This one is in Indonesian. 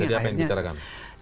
jadi apa yang dibicarakan